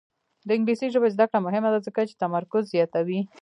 د انګلیسي ژبې زده کړه مهمه ده ځکه چې تمرکز زیاتوي.